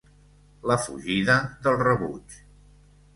La fugida del rebuig.